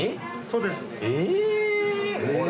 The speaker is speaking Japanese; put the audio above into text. そうです。えぇー？